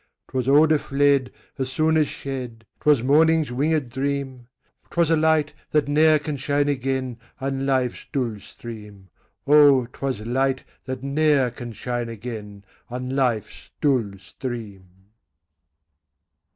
'Twas odor fled As soon as shed; 'Twas morning's winged dream; 'Twas a light, that ne'er can shine again On life's dull stream: Oh! 'twas light that ne'er can shine again On life's dull stream.